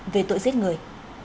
về tội giết người